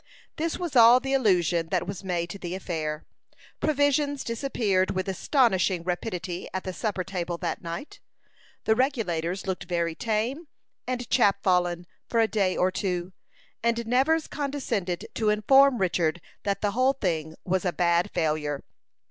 This was all the allusion that was made to the affair. Provisions disappeared with astonishing rapidity at the supper table that night. The Regulators looked very tame and "chapfallen" for a day or two; and Nevers condescended to inform Richard that the whole thing was a bad failure.